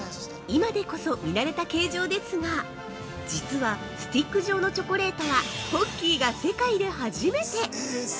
◆今でこそ、見なれた形状ですが実は、スティック状のチョコレートはポッキーが世界で初めて！